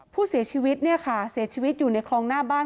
ผู้เสียชีวิตเนี่ยค่ะเสียชีวิตอยู่ในคลองหน้าบ้าน